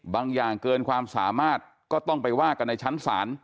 อย่างเกินความสามารถก็ต้องไปว่ากันในชั้นศาล